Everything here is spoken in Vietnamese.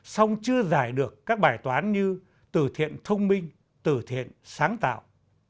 song chưa giải được các bài toán như từ thiện thông minh từ thiện sáng tạo